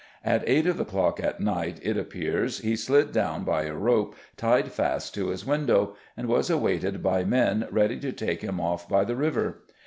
At eight of the clock at night, it appears, he slid down, by a rope tied fast to his window, and was awaited by men ready to take him off by the river.